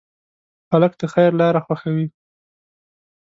هلک د خیر لاره خوښوي.